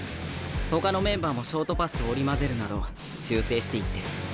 ほかのメンバーもショートパスを織り交ぜるなど修正していってる。